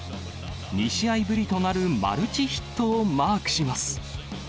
２試合ぶりとなるマルチヒットをマークします。